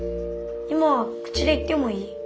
今口で言ってもいい？